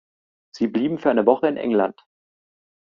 Sie blieben für eine Woche in England.